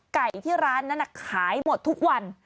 ไก่ที่ร้านนั้นขายหมดทุกวัน